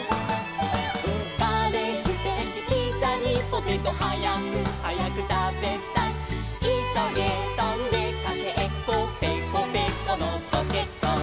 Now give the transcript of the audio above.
「カレーステーキピザにポテト」「はやくはやくたべたい」「いそげとんでかけっこぺこぺこのコケッコー」